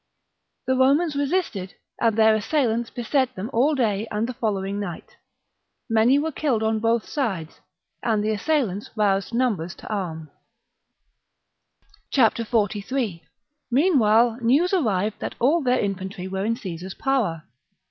The Romans resisted, and 52 b.c. their assailants beset them all day and the follow ing night. Many were killed on both sides ; and the assailants roused numbers to arm. 43. Meanwhile news arrived that all their infantry were in Caesar's power.